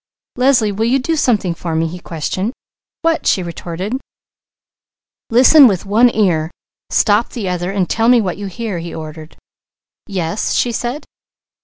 "Leslie, will you do something for me?" he questioned. "What?" she retorted. "Listen with one ear, stop the other, and tell me what you hear," he ordered. "Yes," she said.